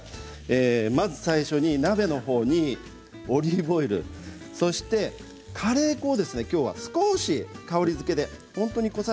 まず最初に鍋のほうにオリーブオイル、そしてカレー粉をきょうは少し香りづけで使います。